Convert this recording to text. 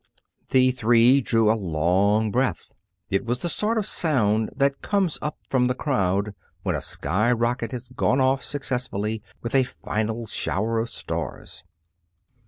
The three drew a long breath. It was the sort of sound that comes up from the crowd when a sky rocket has gone off successfully, with a final shower of stars.